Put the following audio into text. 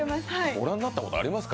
ご覧になったことありますか？